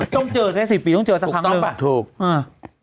เออต้องเจอแค่๑๐ปีต้องเจอสักครั้งหนึ่งถูกต้องปะ